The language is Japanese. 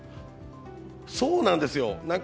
そうなんですよ。